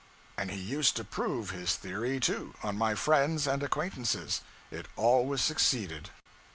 And he used to prove his theory, too, on my friends and acquaintances; it always succeeded.